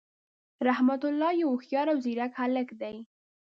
رحمت الله یو هوښیار او ځیرک هللک دی.